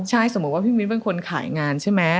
ใช่สมมุติว่าพี่มิ้นเป็นคนขายงานใช่ไหม